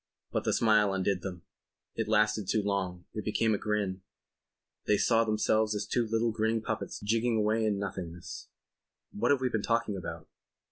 But the smile undid them. It lasted too long; it became a grin. They saw themselves as two little grinning puppets jigging away in nothingness. "What have we been talking about?"